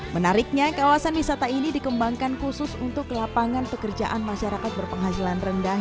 menariknya kawasan wisata ini dikembangkan khusus untuk lapangan pekerjaan masyarakat berpenghasilan rendah